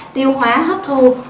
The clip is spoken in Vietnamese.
tiêu hóa hấp thu